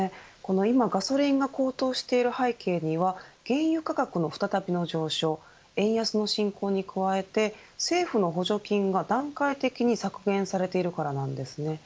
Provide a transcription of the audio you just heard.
今、ガソリンが高騰している背景には原油価格の再びの上昇円安の進行に加えて政府の補助金が段階的に削減されているからなんです。